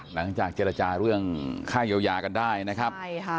หลังจากเจรจาร่วมค่ายยาวยากันได้นะครับ